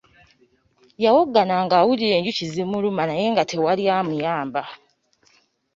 Yawoggana nga awulira enjuki zimuluma naye nga tewali amuyamba.